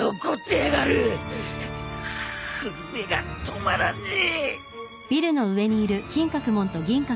震えが止まらねえ！